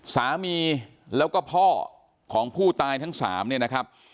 สามีแล้วก็พ่อของผู้ตายทั้งสามเนี่ยนะครับ